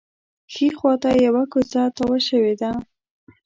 ښي خوا ته یوه کوڅه تاوه شوې ده.